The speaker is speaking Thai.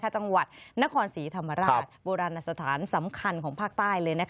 จังหวัดนครศรีธรรมราชโบราณสถานสำคัญของภาคใต้เลย